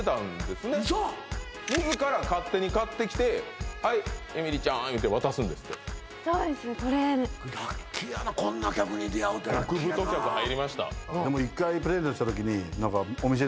自ら勝手に買ってきて「はいえみりちゃん」言うて渡すんですってそうですねこれラッキーやなこんな客に出会うてラッキーやなあ極太客入りました